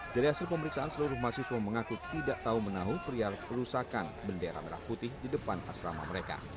dari hasil pemeriksaan seluruh mahasiswa mengaku tidak tahu menahu perial kerusakan bendera merah putih di depan asrama mereka